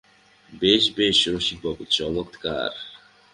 বেশ বেশ রসিকবাবু, চমৎকার!